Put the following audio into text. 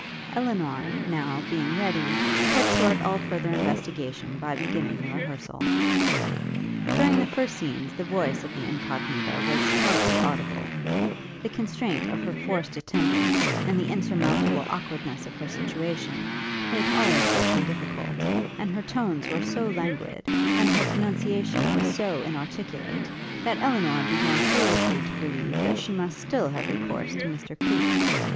Elinor, now, being ready, cut short all further investigation by beginning the rehearsal. During the first scenes, the voice of the Incognita was hardly audible. The constraint of her forced attendance, and the insurmountable awkwardness of her situation, made all exertion difficult, and her tones were so languid, and her pronunciation was so inarticulate, that Elinor began seriously to believe that she must still have recourse to Mr Creek.